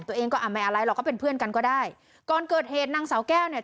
ตัวเองก็อ่ะไม่อะไรหรอกก็เป็นเพื่อนกันก็ได้ก่อนเกิดเหตุนางสาวแก้วเนี่ย